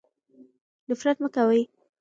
نفرت مه کوئ.